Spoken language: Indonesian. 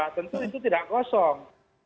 tentu itu tidak kosong